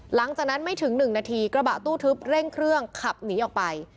หลังจากนั้นไม่ถึง๑นาทีกระบะตู้ทึบเร่งเครื่องขับหนีออกไป